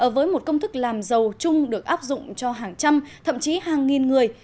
với một công thức làm giàu chung được áp dụng cho hàng trăm thậm chí hàng nghìn người